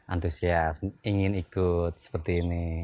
antusias ingin ikut seperti ini